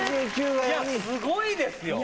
すごいですよ。